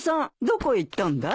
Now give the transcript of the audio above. どこへ行ったんだい？